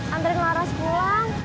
andri ke laras pulang